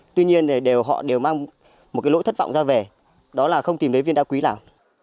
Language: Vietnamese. tuy nhiên thì họ đều mang một cái lỗi thất vọng ra về đó là không tìm thấy viên đá quý nào